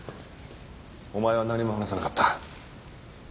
お前は何も話さなかった。